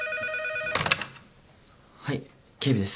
☎はい警備です。